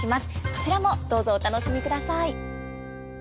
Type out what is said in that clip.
こちらもどうぞお楽しみください。